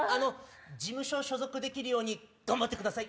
事務所所属できるように頑張ってください。